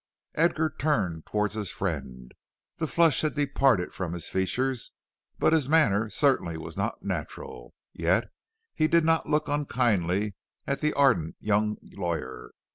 Edgar turned towards his friend; the flush had departed from his features, but his manner certainly was not natural. Yet he did not look unkindly at the ardent young lawyer.